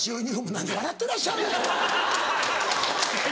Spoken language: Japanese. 何笑ってらっしゃるんですか？